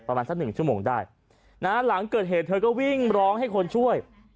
ประมาณสักหนึ่งชั่วโมงได้นะฮะหลังเกิดเหตุเธอก็วิ่งร้องให้คนช่วย